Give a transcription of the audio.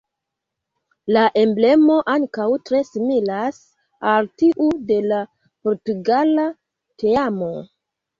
La emblemo ankaŭ tre similas al tiu de la portugala teamo.